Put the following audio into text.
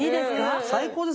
最高です。